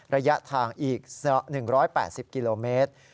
ระยะทางอีก๑๘๐กิโลเมตร